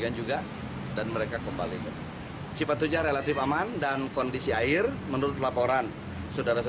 kita sudah ada tempat titik kumpul di situ termasuk titik evakuasi